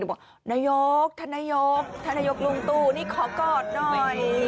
บอกนายกท่านนายกท่านนายกลุงตู้นี่ขอกอดหน่อย